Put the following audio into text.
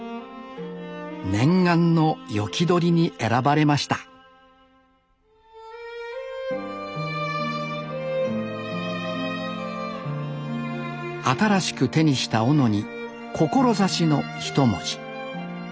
念願の斧取りに選ばれました新しく手にした斧に「志」の一文字。